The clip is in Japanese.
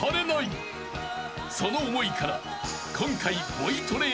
［その思いから今回］